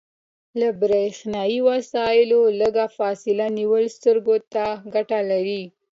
له بریښنایي وسایلو لږه فاصله نیول سترګو ته ګټه لري.